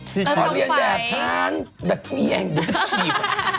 พอเรียนแบบฉันแบบอีแองจี้